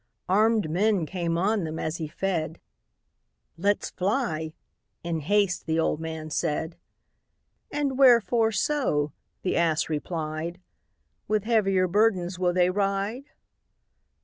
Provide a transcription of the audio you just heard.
Arm'd men came on them as he fed: "Let's fly," in haste the old man said. "And wherefore so?" the ass replied; "With heavier burdens will they ride?"